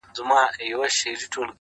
د ځان سره مو جخت د دائرو په سفر بيائي